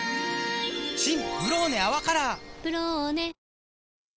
新「ブローネ泡カラー」「ブローネ」